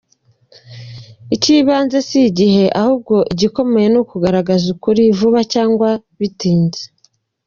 Icy’ibanze si igihe, ahubwo igikomeye ni ukugaragaza ukuri, vuba cyangwa bitinze.